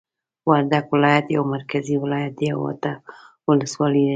وردګ ولایت یو مرکزی ولایت دی او اته ولسوالۍ لری